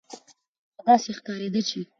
خو داسې ښکارېده چې